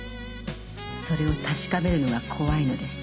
それを確かめるのが怖いのです。